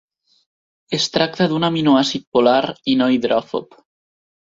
Es tracta d'un aminoàcid polar i no hidròfob.